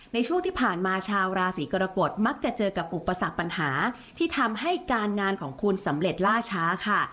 ในช่วงที่ผ่านมาชาวราศีกรกฎมักจะเจอกับอุปสรรคปัญหาที่ทำให้การงานของคุณสำเร็จล่าช้าค่ะ